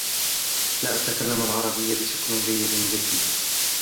لا أتكلم العربية بشكل جيد جدا.